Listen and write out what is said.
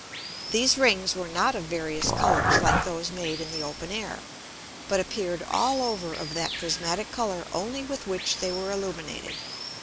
These Rings were not of various Colours like those made in the open Air, but appeared all over of that prismatick Colour only with which they were illuminated.